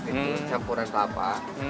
itu campuran kelapa